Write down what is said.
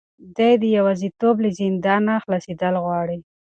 دی د یوازیتوب له زندانه خلاصېدل غواړي.